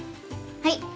はい。